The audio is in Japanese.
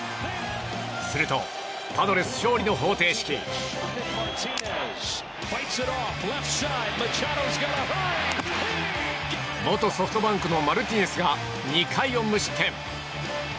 すると、パドレス勝利の方程式元ソフトバンクのマルティネスが２回を無失点！